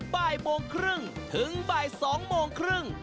บ่ายโมงครึ่งถึงบ่าย๒โมงครึ่ง